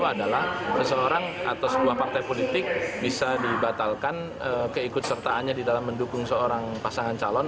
adalah seseorang atau sebuah partai politik bisa dibatalkan keikut sertaannya di dalam mendukung seorang pasangan calon